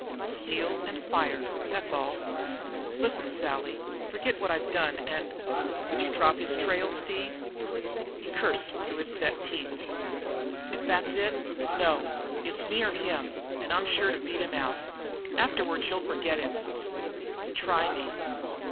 "Steel and fire that's all." "Listen, Sally, forget what I've done, and " "Would you drop his trail, Steve?" He cursed through his set teeth. "If that's it no. It's him or me, and I'm sure to beat him out. Afterwards you'll forget him." "Try me."